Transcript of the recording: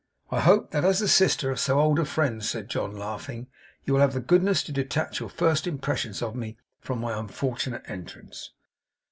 'I hope that, as the sister of so old a friend,' said John, laughing 'you will have the goodness to detach your first impressions of me from my unfortunate entrance.